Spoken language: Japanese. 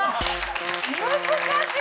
難しい！